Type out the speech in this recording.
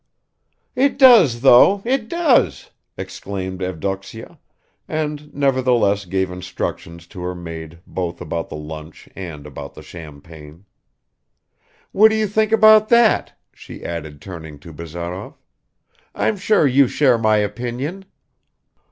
"It does, though, it does!" exclaimed Evdoksya, and nevertheless gave instructions to her maid both about the lunch and about the champagne. "What do you think about that?" she added, turning to Bazarov. "I'm sure you share my opinion."